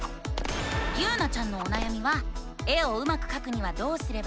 ゆうなちゃんのおなやみは「絵をうまくかくにはどうすればいいの？」